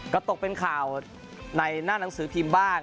ก็ตกเป็นข่าวในหน้าหนังสือพิมพ์บ้าง